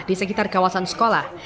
di sekitar kawasan sekolah